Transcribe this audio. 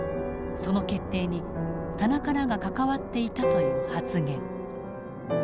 その決定に田中らが関わっていたという発言。